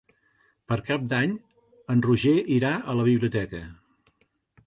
Per Cap d'Any en Roger irà a la biblioteca.